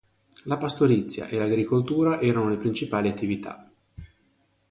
La pastorizia e l'agricoltura erano le principali attività.